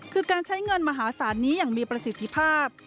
คือการใช้เงินมหาศาลนี้อย่างมีประสิทธิภาพ